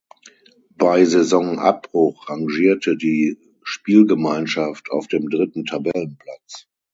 Bei Saisonabbruch rangierte die Spielgemeinschaft auf dem dritten Tabellenplatz.